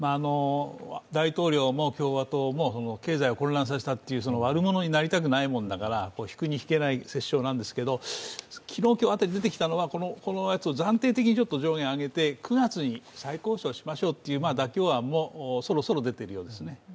大統領も共和党も経済を混乱させたっていう悪者になりたくないもんだから引くに引けない折衝なんですが、昨日、今日辺り出てきたのは、この辺りを暫定的に上げて９月に再交渉しましょうっていう妥協案もそろそろ出てるようですね。